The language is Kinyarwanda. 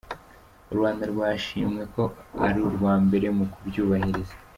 U Rwanda rwashimwe ko ari urwa mbere mu kubyubahiriza.